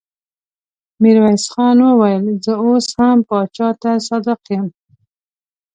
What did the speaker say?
ميرويس خان وويل: زه اوس هم پاچا ته صادق يم.